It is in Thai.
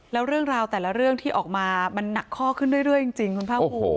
แล้วเรื่องราวแต่ละเรื่องที่ออกมามันหนักข้อขึ้นเรื่อยจริงคุณภาคภูมิ